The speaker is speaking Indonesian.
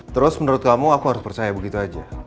terus menurut kamu aku harus percaya begitu aja